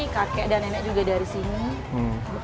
kakek dan nenek juga dari sini